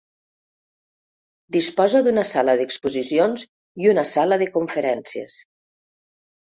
Disposa d'una sala d'exposicions i una sala de conferències.